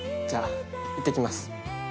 じゃあいってきます。